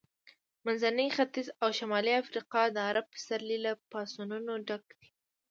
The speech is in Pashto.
منځنی ختیځ او شمالي افریقا د عرب پسرلي له پاڅونونو ډک دي.